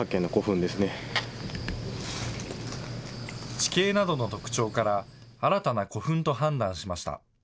地形などの特徴から、新たな古墳と判断しました。